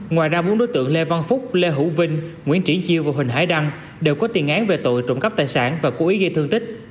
ngoài ra bốn đối tượng lê văn phúc lê hữu vinh nguyễn triêu và huỳnh hải đăng đều có tiền án về tội trộm cắp tài sản và cố ý gây thương tích